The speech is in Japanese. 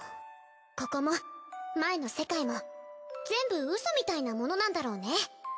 ここも前の世界も全部ウソみたいなものなんだろうね。